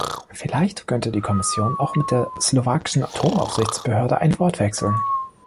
Vielleicht könnte die Kommission auch mit der slowakischen Atomaufsichtsbehörde ein Wort wechseln.